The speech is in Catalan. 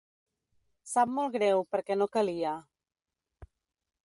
Sap molt greu perquè no calia.